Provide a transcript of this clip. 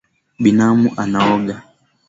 Binamu anaoga